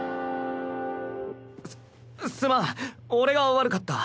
すすまん俺が悪かった。